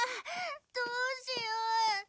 どうしよう。